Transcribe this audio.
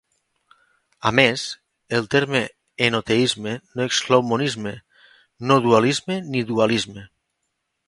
A més, el terme henoteisme no exclou monisme, no dualisme ni dualisme.